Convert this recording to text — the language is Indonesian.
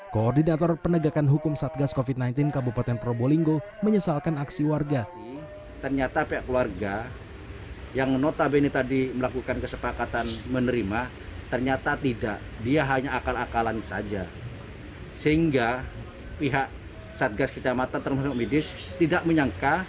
koordinator penegakan hukum satgas covid sembilan belas kabupaten probolinggo menyesalkan aksi warga